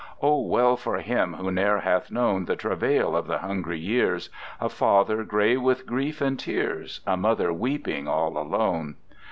O well for him who ne'er hath known The travail of the hungry years, A father grey with grief and tears, A mother weeping all alone.